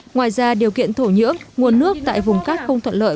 ngoài ra điều kiện thổ nhưỡng nguồn nước tại vùng các không thuận lợi